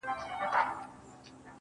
• چي مي بایللی و، وه هغه کس ته ودرېدم .